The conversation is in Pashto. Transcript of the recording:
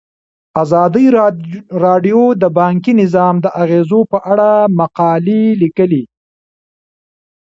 ازادي راډیو د بانکي نظام د اغیزو په اړه مقالو لیکلي.